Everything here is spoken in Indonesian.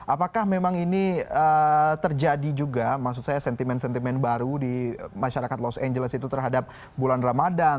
apakah memang ini terjadi juga maksud saya sentimen sentimen baru di masyarakat los angeles itu terhadap bulan ramadhan